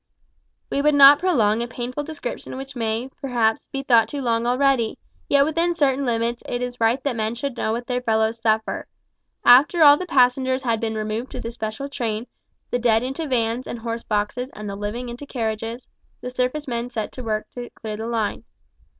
We would not prolong a painful description which may, perhaps, be thought too long already yet within certain limits it is right that men should know what their fellows suffer. After all the passengers had been removed to the special train the dead into vans and horse boxes and the living into carriages the surface men set to work to clear the line.